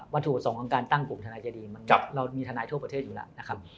ถูกประสงค์ของการตั้งกลุ่มธนายเจดีเรามีทนายทั่วประเทศอยู่แล้วนะครับ